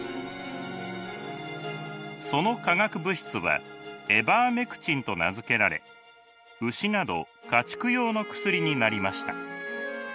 その化学物質はエバーメクチンと名付けられ牛など家畜用の薬になりました。